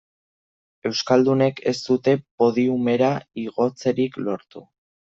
Euskaldunek ez dute podiumera igotzerik lortu.